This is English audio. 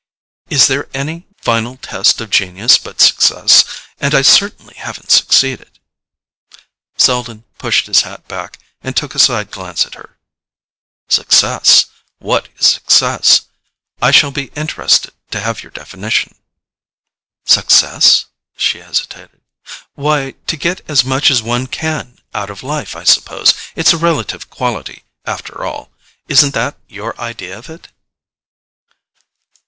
"Is there any final test of genius but success? And I certainly haven't succeeded." Selden pushed his hat back and took a side glance at her. "Success—what is success? I shall be interested to have your definition." "Success?" She hesitated. "Why, to get as much as one can out of life, I suppose. It's a relative quality, after all. Isn't that your idea of it?"